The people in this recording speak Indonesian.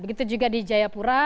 begitu juga di jayapura